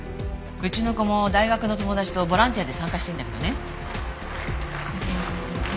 うちの子も大学の友達とボランティアで参加してるんだけどね。